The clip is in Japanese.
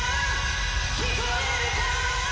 「聞こえるか？」